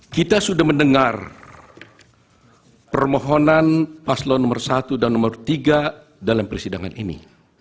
kita sudah mendengar permohonan paslon nomor satu dan nomor tiga dalam persidangan ini